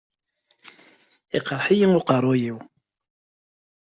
Iqreḥ-iyi uqerruy-iw.